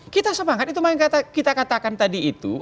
kita semangat itu yang kita katakan tadi itu